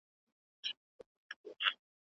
محمد عثمان خان د شجاع الدوله سره همکاري وکړه.